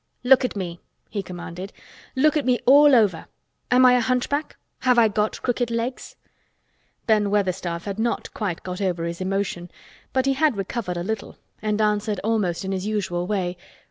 "Look at me!" he commanded. "Look at me all over! Am I a hunchback? Have I got crooked legs?" Ben Weatherstaff had not quite got over his emotion, but he had recovered a little and answered almost in his usual way.